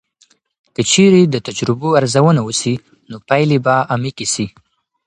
که چیرې د تجربو ارزونه وسي، نو پایلې به عمیقې سي.